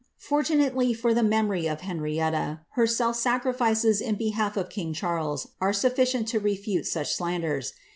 Fortunately for the memonfj of Henrietta, her self sacrifices in behalf of king Charles are quite soflh i cient to refute such slanders.